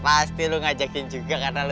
pasti lu ngajakin juga karena lu cemen banget ya